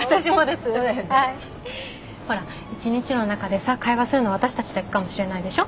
ほら一日の中でさ会話するの私たちだけかもしれないでしょ。